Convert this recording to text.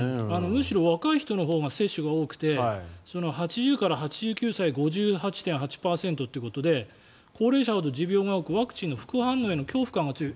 むしろ若い人のほうが接種が多くて８０から８９歳５８．８％ということで高齢者ほどワクチンへの副反応の恐怖感が強い。